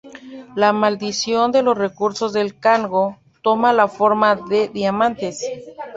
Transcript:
La maldición de los recursos del Congo toma la forma de diamantes.